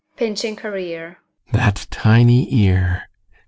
[Pinching her ear] That tiny ear!